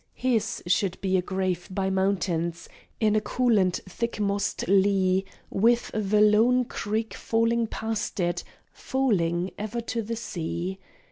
His should be a grave by mountains, in a cool and thick mossed lea, With the lone creek falling past it falling ever to the sea.